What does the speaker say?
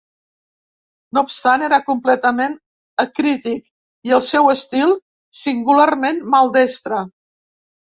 No obstant, era completament acrític i el seu estil, singularment maldestre.